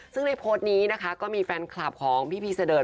ซึ่งในโพสต์นี้นะคะก็มีแฟนคลับของพี่พีเสดิร์ด